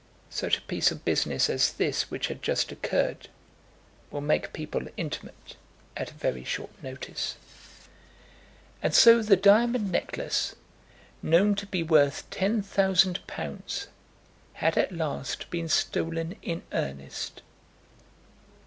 Such a piece of business as this which had just occurred, will make people intimate at a very short notice. And so the diamond necklace, known to be worth ten thousand pounds, had at last been stolen in earnest!